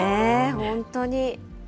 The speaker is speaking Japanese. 本当に。